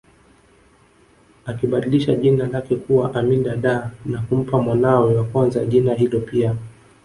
Akibadilisha jina lake kuwa Amin Dada na kumpa mwanawe wa kwanza jina hilo pia